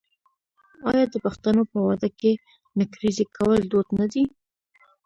آیا د پښتنو په واده کې نکریزې کول دود نه دی؟